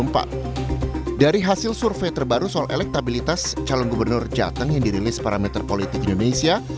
pilihan terbaru soal elektabilitas calon gubernur jateng yang dirilis para militer politik indonesia